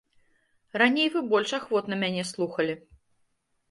Раней вы больш ахвотна мяне слухалі.